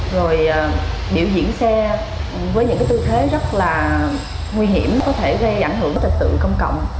rồi biểu diễn xe với những tư thế rất là nguy hiểm có thể gây ảnh hưởng tật tự công cộng